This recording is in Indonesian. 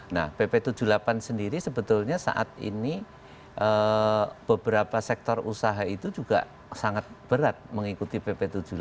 nah pp tujuh puluh delapan sendiri sebetulnya saat ini beberapa sektor usaha itu juga sangat berat mengikuti pp tujuh puluh delapan